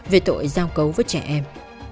về tội giao cấu với trẻ em